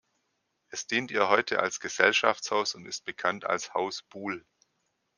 Es dient ihr heute als Gesellschaftshaus und ist bekannt als Haus Buhl.